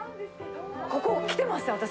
ここ、来てました、私。